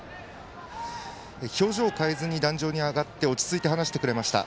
表情を変えずに壇上に上がって落ち着いて話してくれました。